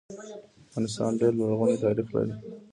افغانستان ډير لرغونی تاریخ لري